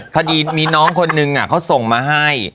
คดีมีน้องคนนึงเขาส่งมาให้